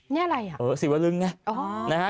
นี่อะไรอ่ะสีวลึงไงนะฮะ